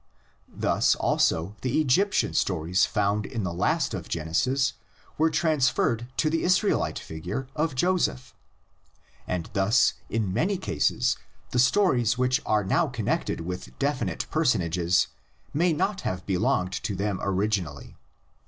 Thus also the Egyptian stories found in the last of Genesis were transferred to the Israelite figure of Joseph. And thus in many cases the stories which are now connected with definite personages may not have belonged to them originally.